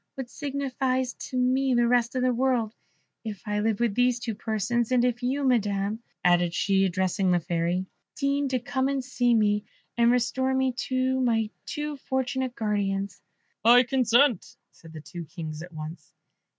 What signifies to me the rest of the world if I live with these two persons; and if you, Madam," added she, addressing the Fairy, "deign to come and see me, and restore to me my two unfortunate guardians?" "I consent," said the two Kings at once.